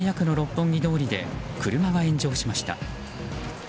今朝８時過ぎ東京・渋谷区の六本木通りで車が炎上しました。